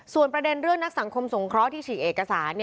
ส่วนประเด็นเรื่องนักสังคมสงเคราะห์ที่ฉีกเอกสาร